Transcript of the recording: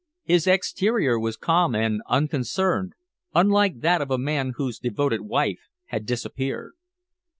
His exterior was calm and unconcerned, unlike that of a man whose devoted wife had disappeared.